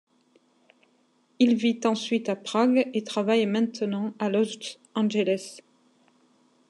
Il vit ensuite à Prague et travaille maintenant à Los Angeles.